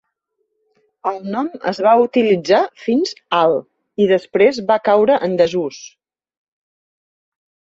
El nom es va utilitzar fins al i després va caure en desús.